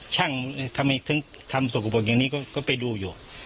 ช่างทำศักดิ์ปรบแบบนี้ก็ไปดูอยู่